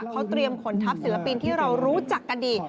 เขาเตรียมขนทัพศิลปินที่เรารู้จักกันดี